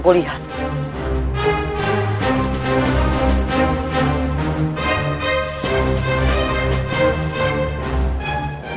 kau harus menerima kesempatan